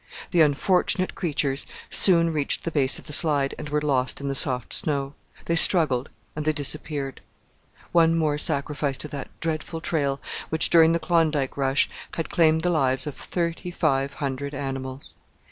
The unfortunate creatures soon reached the base of the slide and were lost in the soft snow. They struggled, and they disappeared. One more sacrifice to that dreadful trail, which, during the Klondike rush, had claimed the lives of thirty five hundred animals!